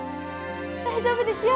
大丈夫ですよ。